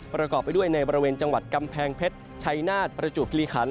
ประกอบไปด้วยในบริเวณจังหวัดกำแพงเพชรชัยนาฏประจวบคิริขัน